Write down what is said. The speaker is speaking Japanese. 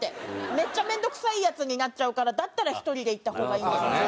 めっちゃ面倒くさいヤツになっちゃうからだったら１人で行った方がいいんです。